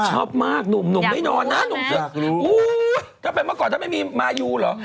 ชอบมากหนุ่มไม่นอนนะหนุ่มเสื้อถ้าเป็นเมื่อก่อนถ้าไม่มีมายูเหรอ